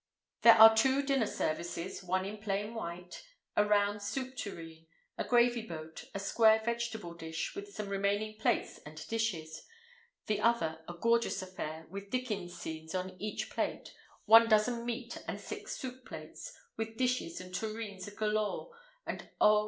There are two dinner services, one in plain white—a round soup tureen, a gravy boat, a square vegetable dish, with some remaining plates and dishes; the other a gorgeous affair, with Dickens scenes on each plate—one dozen meat and six soup plates, with dishes and tureens galore, and oh!